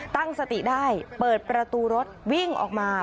ตั้งสติได้เปิดประตูรถวิ่งออกมา